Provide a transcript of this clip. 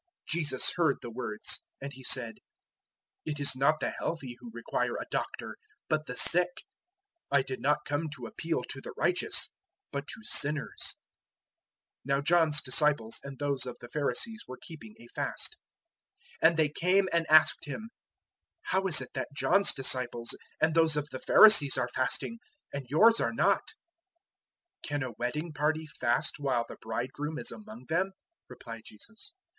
002:017 Jesus heard the words, and He said, "It is not the healthy who require a doctor, but the sick: I did not come to appeal to the righteous, but to sinners." 002:018 (Now John's disciples and those of the Pharisees were keeping a fast.) And they came and asked Him, "How is it that John's disciples and those of the Pharisees are fasting, and yours are not?" 002:019 "Can a wedding party fast while the bridegroom is among them?" replied Jesus.